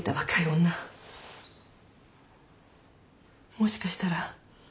もしかしたら。